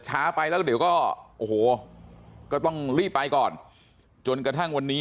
ช้าไปแล้วเดี๋ยวก็โอ้โหก็ต้องรีบไปก่อนจนกระทั่งวันนี้